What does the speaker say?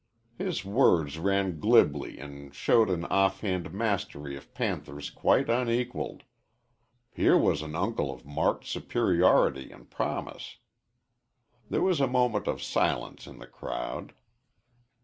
His words ran glibly and showed an off hand mastery of panthers quite unequalled. Here was an uncle of marked superiority and promise. There was a moment of silence in the crowd.